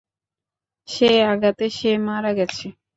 সে আঘাতে সে মারা গেছে।